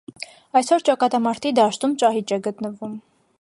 Այսօր ճակատամարտի դաշտում ճահիճ է գտնվում։